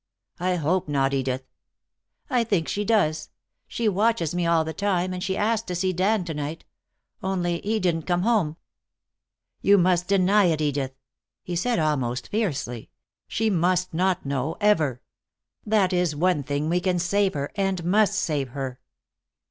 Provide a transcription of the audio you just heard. "I hope not, Edith." "I think she does. She watches me all the time, and she asked to see Dan to night. Only he didn't come home." "You must deny it, Edith," he said, almost fiercely. "She must not know, ever. That is one thing we can save her, and must save her."